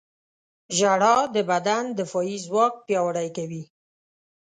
• ژړا د بدن دفاعي ځواک پیاوړی کوي.